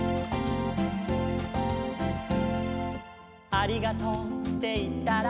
「ありがとうっていったら」